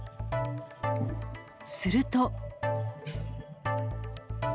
すると。